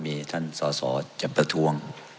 มีท่านสอสอจะประท้วง